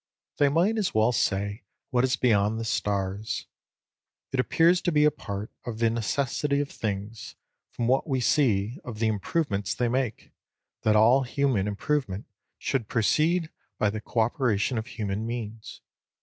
They might as well say what is beyond the stars. It appears to be a part of the necessity of things, from what we see of the improvements they make, that all human improvement should proceed by the co operation of human means.